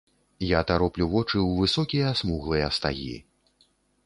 Я тароплю вочы ў высокія смуглыя стагі.